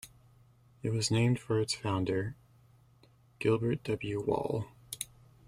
It was named for its founder Gilbert W. Wall.